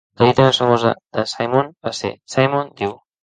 La dita més famosa de Simon va ser "Simon diu!".